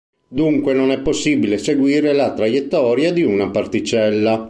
Dunque non è possibile seguire la traiettoria di una particella.